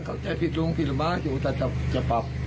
เข้าใจผิดลุงผิดละม้าอยู่แต่จะปรับ